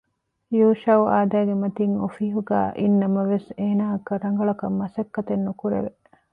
ޔޫޝައު އާދައިގެ މަތިން އޮފީހުގައި އިންނަމަވެސް އޭނާއަކަށް ރަނގަޅަކަށް މަސައްކަތެއް ނުކުރެވެ